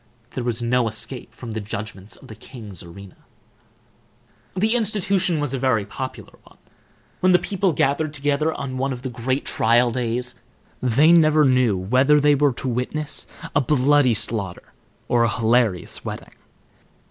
There was no escape from the judgments of the king's arena. The institution was a very popular one. When the people gathered together on one of the great trial days, they never knew whether they were to witness a bloody slaughter or a hilarious wedding.